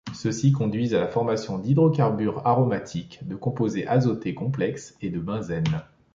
Ceux-ci conduisent à la formation d'hydrocarbures aromatiques, de composés azotés complexes et de benzène.